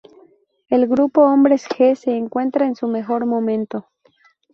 El grupo Hombres G se encuentra en su mejor momento.